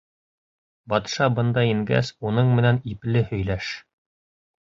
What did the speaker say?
Батша бында ингәс, уның менән ипле һөйләш.